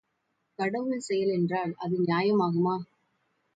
கடவுள் செயல் என்றால் அது நியாயமாகுமா?